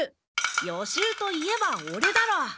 予習といえばオレだろ。